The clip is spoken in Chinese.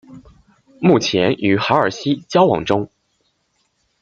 目前与海尔希交往中。